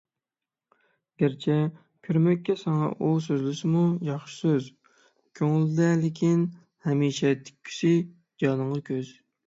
گەرچە كۆرمەككە ساڭا ئۇ سۆزلىسىمۇ ياخشى سۆز، كۆڭلىدە لېكىن ھەمىشە تىككۈسى جانىڭغا كۆز.